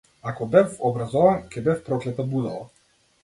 Ако бев образован, ќе бев проклета будала.